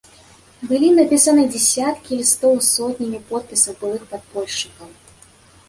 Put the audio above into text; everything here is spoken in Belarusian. Былі напісаны дзясяткі лістоў з сотнямі подпісаў былых падпольшчыкаў.